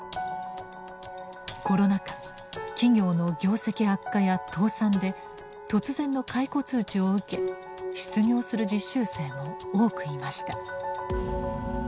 コロナ禍企業の業績悪化や倒産で突然の解雇通知を受け失業する実習生も多くいました。